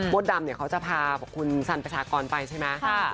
บ๊อตดำเขาจะพาคุณสันประชากรไปใช่ไหม